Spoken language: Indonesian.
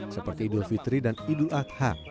seperti idul fitri dan idul adha